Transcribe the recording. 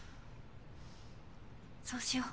そうしよう。